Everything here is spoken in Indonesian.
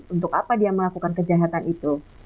untuk apa dia melakukan kejahatan itu